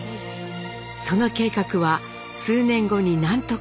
その計画は数年後に何とか実現。